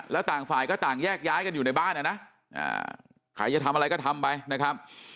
แล้วต่างฝ่ายก็ต่างแยกย้ายกันอยู่ในบ้านนะใครจะทำอะไรก็ทำไปนะครับ